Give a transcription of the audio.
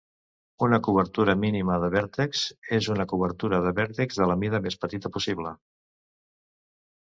Una "cobertura mínima de vèrtexs" és una cobertura de vèrtexs de la mida més petita possible.